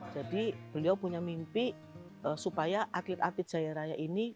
jadi beliau punya mimpi supaya atlet atlet jaya raya ini